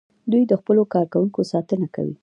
دوی د خپلو کارکوونکو ساتنه کوي.